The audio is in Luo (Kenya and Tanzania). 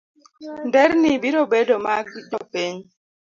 nderni biro bedo mag jopiny.